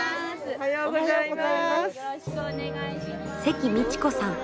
おはようございます。